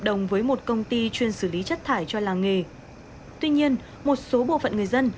đồng với một công ty chuyên xử lý chất thải cho làng nghề tuy nhiên một số bộ phận người dân